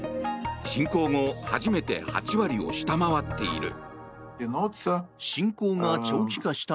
侵攻後、初めて８割を下回っている。